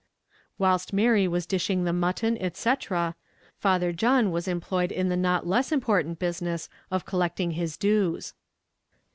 Whilst Mary was dishing the mutton, &c., Father John was employed in the not less important business of collecting his dues.